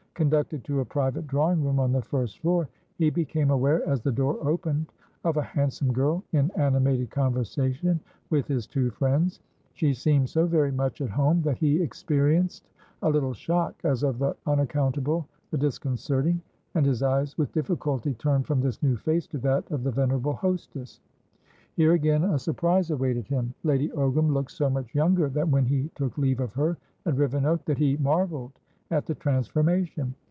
Conducted to a private drawing room on the first floor, he became aware, as the door opened, of a handsome girl in animated conversation with his two friends; she seemed so very much at home that he experienced a little shock, as of the unaccountable, the disconcerting, and his eyes with difficulty turned from this new face to that of the venerable hostess. Here again a surprise awaited him; Lady Ogram looked so much younger than when he took leave of her at Rivenoak, that he marvelled at the transformation.